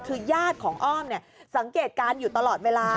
คือญาติของอ้อมสังเกตการณ์อยู่ตลอดเวลา